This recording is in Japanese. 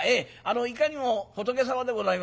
いかにも仏様でございます」。